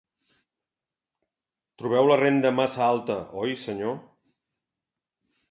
Trobeu la renda massa alta, oi, senyor?